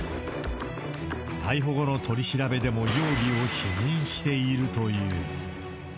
逮捕後の取り調べでも容疑を否認しているという。